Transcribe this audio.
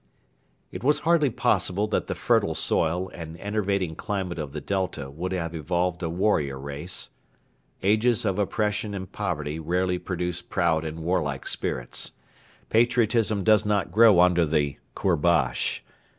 It was hardly possible that the fertile soil and enervating climate of the Delta would have evolved a warrior race. Ages of oppression and poverty rarely produce proud and warlike spirits. Patriotism does not grow under the 'Kourbash.'